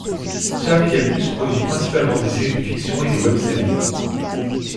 Sphère Média Plus produit principalement des séries de fiction et des webséries.